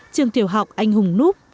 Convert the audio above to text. trường tiểu học anh hùng núp